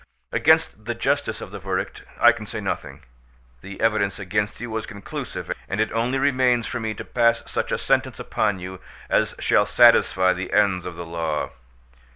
Against the justice of the verdict I can say nothing: the evidence against you was conclusive, and it only remains for me to pass such a sentence upon you, as shall satisfy the ends of the law.